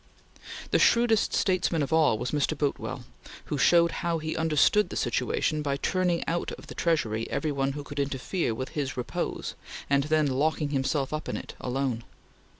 The shrewdest statesman of all was Mr. Boutwell, who showed how he understood the situation by turning out of the Treasury every one who could interfere with his repose, and then locking himself up in it, alone.